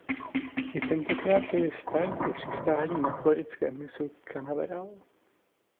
I tentokrát byly start i přistání na floridském mysu Canaveral.